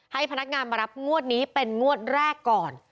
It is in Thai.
ให้พนักงานมารับงวดนี้เป็นงวดแรกก่อน